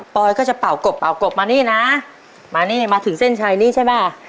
ปลอยก็จะเป่ากบมานี่นะมานี่มาถึงเส้นชัยนี่ใช่ไหม